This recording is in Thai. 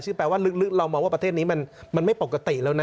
แปลว่าลึกเรามองว่าประเทศนี้มันไม่ปกติแล้วนะ